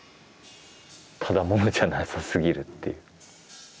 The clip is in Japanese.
ただ者じゃなさすぎるっていう。